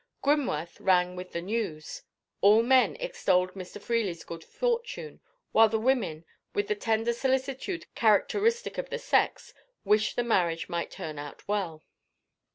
Grimworth rang with the news. All men extolled Mr. Freely's good fortune; while the women, with the tender solicitude characteristic of the sex, wished the marriage might turn out well.